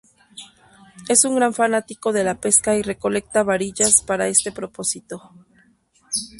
Es un gran fanático de la pesca y recolecta varillas para este propósito.